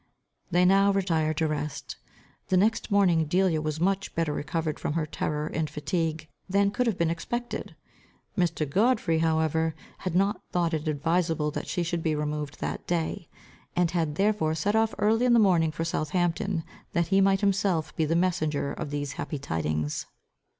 They now retired to rest. The next morning, Delia was much better recovered from her terror and fatigue, than could have been expected. Mr. Godfrey however had not thought it adviseable that she should be removed that day, and had therefore set off early in the morning for Southampton, that he might himself be the messenger of these happy tidings.